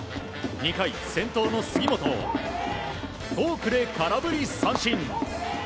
２回、先頭の杉本をフォークで空振り三振。